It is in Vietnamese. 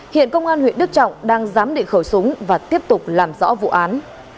hiện công an huyện đức trọng đang dám định khởi súng và tiếp tục làm rõ vụ án